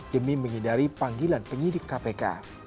demi menghindari panggilan penyidik kpk